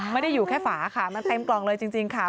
ไม่ได้อยู่แค่ฝาค่ะมันเต็มกล่องเลยจริงค่ะ